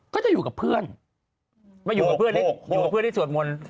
ก็จะอยู่กับเพื่อน